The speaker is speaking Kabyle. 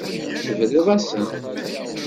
Tebriḍ-asen.